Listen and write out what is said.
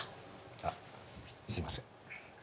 あっすいません。